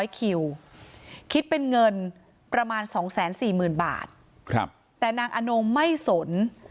คิวคิดเป็นเงินประมาณ๒๔๐๐๐บาทแต่นางอนงไม่สน